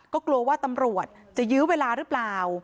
ก็กลัวว่าตำรวจจะยื้อเวลาหรือเปล่า